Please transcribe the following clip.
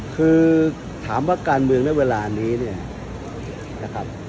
คือถามว่าการเมืองในเวลานี้เนี่ยนะครับ